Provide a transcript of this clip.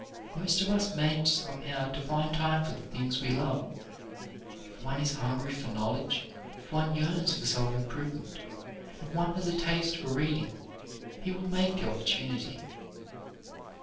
Most of us manage somehow to find time for the things we love. If one is hungry for knowledge, if one yearns for self improvement, if one has a taste for reading, he will make the opportunity.